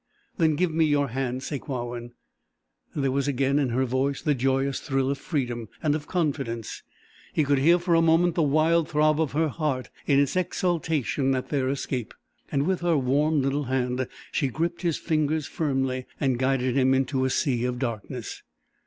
"Then give me your hand, Sakewawin." There was again in her voice the joyous thrill of freedom and of confidence; he could hear for a moment the wild throb of her heart in its exultation at their escape, and with her warm little hand she gripped his fingers firmly and guided him into a sea of darkness.